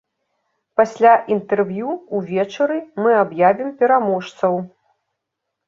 Пасля інтэрв'ю, увечары, мы аб'явім пераможцаў!